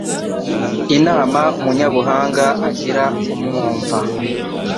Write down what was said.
Inama umunyabuhanga agira umwumva